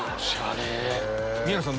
宮野さん